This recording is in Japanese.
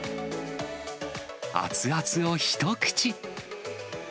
熱々を一口。